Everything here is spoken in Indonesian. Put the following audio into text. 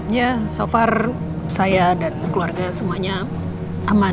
ya so far saya dan keluarga semuanya aman